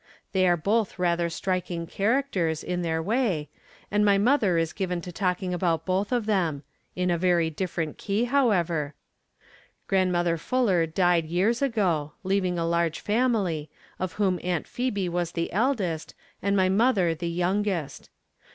They are both rather striking char acters, in their way, and my mother is given to talking about both of them — ^in a very different 26 I'rom Different Standpoints. key, however, Grandmother Fuller died years ago, leaving a large family, of whom Aunt Phehe was the eldest, and my mother the youngest.